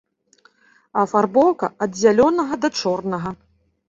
Афарбоўка ад зялёнага да чорнага.